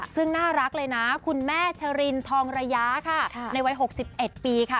ซึ่งน่ารักเลยนะคุณแม่ชรินทองระยะค่ะในวัย๖๑ปีค่ะ